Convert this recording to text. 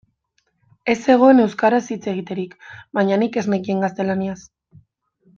Ez zegoen euskaraz hitz egiterik, baina nik ez nekien gaztelaniaz.